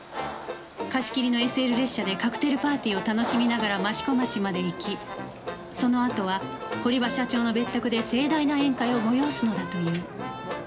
貸切の ＳＬ 列車でカクテルパーティーを楽しみながら益子町まで行きそのあとは堀場社長の別宅で盛大な宴会を催すのだという